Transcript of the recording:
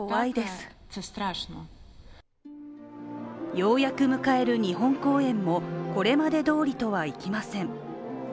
ようやく迎える日本公演もこれまでどおりとはいきません。